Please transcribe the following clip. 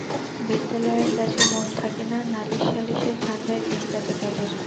বিদ্যালয়ের কাজে মন থাকে না, নালিশ সালিসের ধান্দায় দিন কাটে তাঁদের।